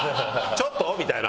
ちょっと？みたいな。